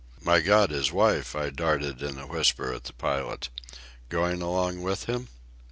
"My God!—his wife!" I darted in a whisper at the pilot. "Going along with him?